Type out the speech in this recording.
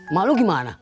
mak lu gimana